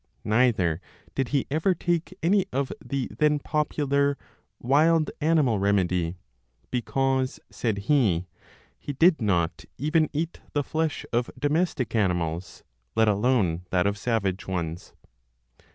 Neither did he ever take any of the then popular "wild animal remedy," because, said he, he did not even eat the flesh of domestic animals, let alone that of savage ones.